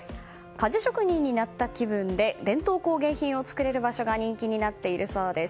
鍛冶職人になった気分で伝統工芸品を作れる場所が人気になっているそうです。